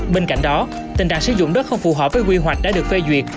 bên cạnh đó tình trạng sử dụng đất không phù hợp với quy hoạch đã được phê duyệt